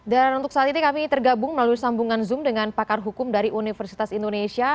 dan untuk saat ini kami tergabung melalui sambungan zoom dengan pakar hukum dari universitas indonesia